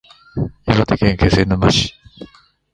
岩手県気仙沼市